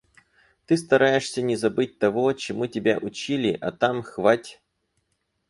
Ты стараешься не забыть того, чему тебя учили, а там - хвать!